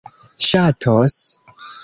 ŝatos